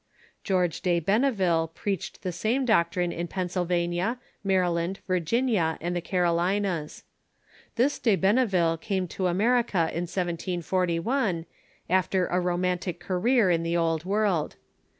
George de Benneville preached the same doctrine in Pennsylvania, Maryland, Virginia, and the Carolinas. This De Benneville came to America in 1V41, after a romantic career in the Old World.